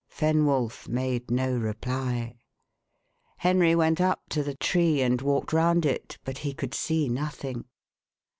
Fenwolf made no reply. Henry went up to the tree, and walked round it, but he could see nothing.